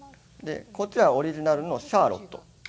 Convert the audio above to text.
こっちはオリジナルのシャーロット。